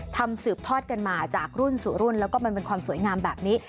ทำสืบทอดกันมาจากรุ่นสู่รุ่นแล้วก็มันเป็นความสวยงามแบบนี้